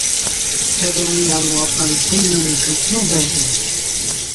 ڇه جڻين اِينهان نُون آپتان ۾ صحِيح نمُوني سُون ڪيُون بيهنچُون؟